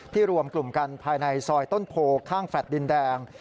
รวมกลุ่มกันภายในซอยต้นโพข้างแฟลต์ดินแดง